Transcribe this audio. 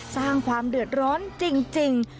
สร้างความเดือดร้อนจริง